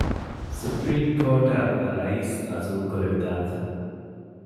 ސުޕްރީމް ކޯޓަށް ރައީސް އަޒުލް ކުރެވިދާނެތަ؟